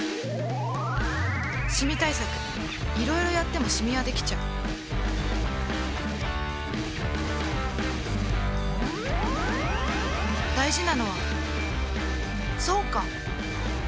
シミ対策いろいろやってもシミはできちゃう大事なのはそうか！